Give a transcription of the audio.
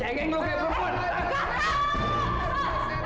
nggak usah cengeng lo kek